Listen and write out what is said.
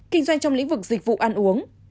kinh doanh trong lĩnh vực dịch vụ ăn uống